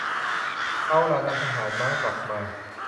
เอาล่ะ นำทหารม้ากลับมา